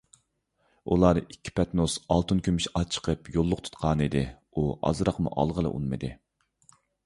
ئۇلار ئىككى پەتنۇس ئالتۇن - كۈمۈش ئاچىقىپ يوللۇق تۇتقانىدى، ئۇ ئازراقمۇ ئالغىلى ئۇنىمىدى.